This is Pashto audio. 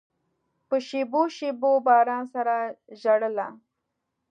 په شېبو، شېبو باران سره ژړله